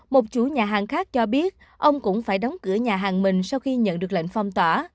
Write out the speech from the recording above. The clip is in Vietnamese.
một chủ nhà hàng khác cho biết ông cũng phải đóng cửa nhà hàng mình sau khi nhận được lệnh phong tỏa